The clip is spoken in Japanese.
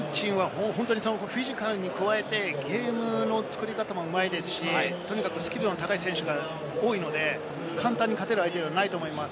フィジカルに加えてゲームの作り方もうまいですし、とにかくスキルの高い選手が多いので簡単に勝てる相手ではないと思います。